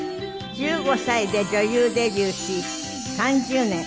１５歳で女優デビューし３０年。